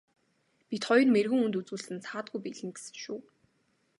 Бид хоёр мэргэн хүнд үзүүлсэн саадгүй биелнэ гэсэн шүү.